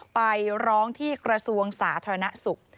ไปร้องที่กระทรวงสาธารณสุข